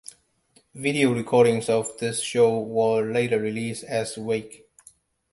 Video recordings of this show were later released as "Wake".